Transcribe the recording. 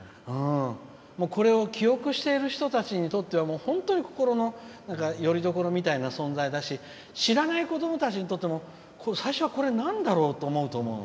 これを記憶している人たちにとっては本当に心のよりどころみたいな存在だし、知らない子どもたちにとっても最初は、これはなんだろう？と思うと思う。